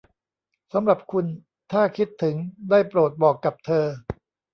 สำหรับคุณถ้าคิดถึงได้โปรดบอกกับเธอ